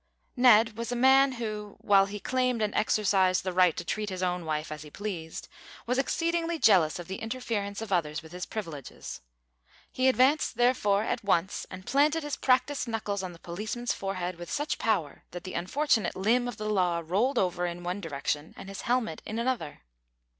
Ned was a man who, while he claimed and exercised the right to treat his own wife as he pleased, was exceedingly jealous of the interference of others with his privileges. He advanced, therefore, at once, and planted his practised knuckles on the policeman's forehead with such power that the unfortunate limb of the law rolled over in one direction and his helmet in another.